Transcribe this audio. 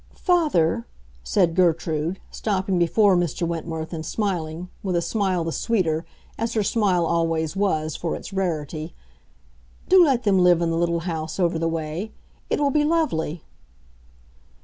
"Father," said Gertrude, stopping before Mr. Wentworth and smiling, with a smile the sweeter, as her smile always was, for its rarity; "do let them live in the little house over the way. It will be lovely!"